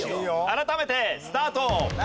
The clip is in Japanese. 改めてスタート。